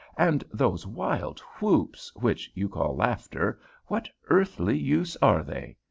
And those wild whoops, which you call laughter, what earthly use are they?